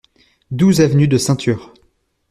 douze avenue de Ceinture